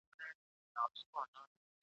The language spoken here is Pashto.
دوی ګومان کوي پر ټول جهان تیاره ده .